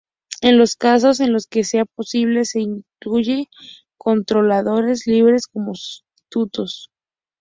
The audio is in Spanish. En los casos en los que sea posible, se incluye controladores libres como sustitutos.